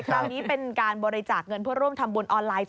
คราวนี้เป็นการบริจาคเงินเพื่อร่วมทำบุญออนไลน์